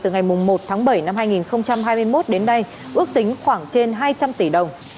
từ ngày một tháng bảy năm hai nghìn hai mươi một đến nay ước tính khoảng trên hai trăm linh tỷ đồng